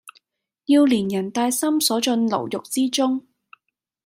要連人帶心鎖進牢獄之中！